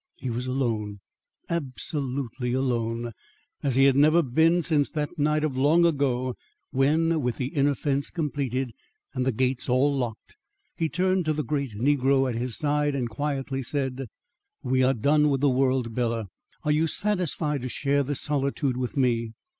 He was alone, absolutely alone, as he had never been since that night of long ago, when with the inner fence completed and the gates all locked, he turned to the great negro at his side and quietly said: "We are done with the world, Bela. Are you satisfied to share this solitude with me?"